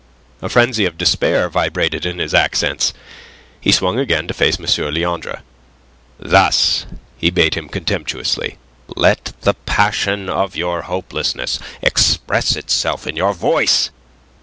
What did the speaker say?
A frenzy of despair vibrated in his accents. He swung again to face M. Leandre. "Thus," he bade him contemptuously. "Let the passion of your hopelessness express itself in your voice.